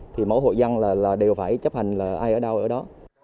thì mỗi hộ dân đều phải chấp hành ai ở đâu ở đó